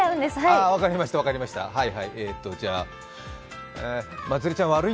分かりました、分かりました、はいはい。